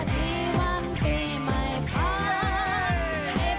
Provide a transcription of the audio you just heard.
สวัสดีวันปีใหม่พันธ์